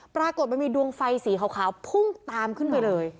ปรากฏมันมีดวงไฟสีขาวพุ่งตามขึ้นไปเลย